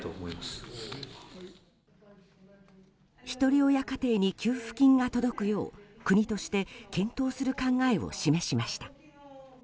ひとり親家庭に給付金が届くよう国として検討する考えを示しました。